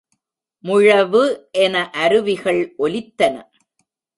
முழவு என அருவிகள் ஒலித்தன.